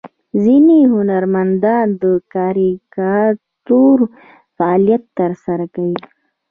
ځینې هنرمندان د کاریکاتور فعالیت ترسره کوي.